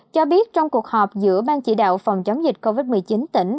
cho biết trong cuộc họp giữa ban chỉ đạo phòng chống dịch covid một mươi chín tỉnh